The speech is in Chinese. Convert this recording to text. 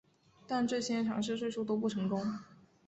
但这些尝试最初都不成功。